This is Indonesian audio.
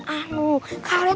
aduh kenapa lagi